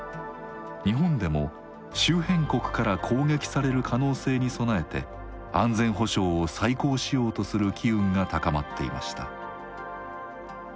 日本でも周辺国から攻撃される可能性に備えて安全保障を再考しようとする機運が高まっていました。